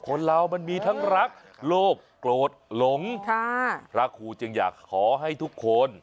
คนเรามันมีทั้งรักโลภโกรธหลงพระครูจึงอยากขอให้ทุกคน